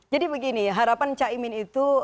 jadi begini harapan caimin itu